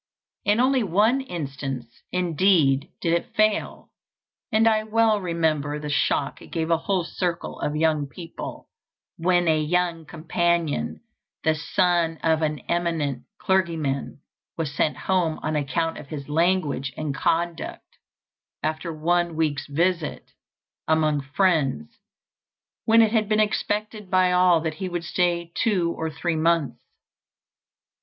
In only one instance, indeed, did it fail; and I well remember the shock it gave a whole circle of young people, when a young companion, the son of an eminent clergyman, was sent home on account of his language and conduct after one week's visit among friends, when it had been expected by all that he would stay two or three months.